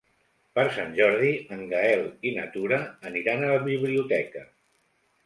Per Sant Jordi en Gaël i na Tura aniran a la biblioteca.